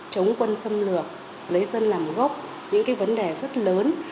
chống quân xâm lược lấy dân làm gốc những cái vấn đề rất lớn